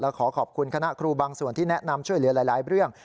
ขอขอบคุณคณะครูบางส่วนที่แนะนำช่วยเหลือหลายเรื่อง